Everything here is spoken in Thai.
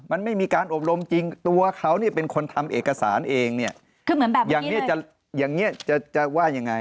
มันไม่มีการอบรมจริงตัวเขาเนี่ยเป็นคนทำเอกสารเองเนี่ย